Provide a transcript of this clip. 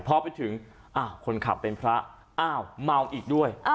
พอไปถึงคนขับเป็นพระอ้าวเมาอีกด้วย